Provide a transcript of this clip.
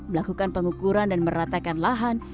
melakukan pengukuran dan meratakan lahan